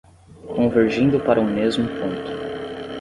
Convergindo para um mesmo ponto